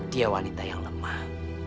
dia wanita yang lemah